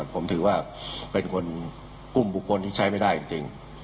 ผมถือว่าเป็นคุมกฏกล์ที่ใช้ไม่ได้จริง